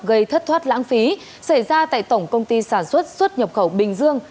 gây thất thoát lãng phí xảy ra tại tổng công ty sản xuất xuất nhập khẩu bình dương